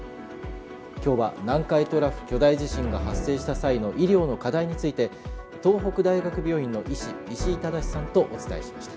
今日は南海トラフ巨大地震が発生した際の医療の課題について東北大学病院の医師石井正さんとお伝えしました。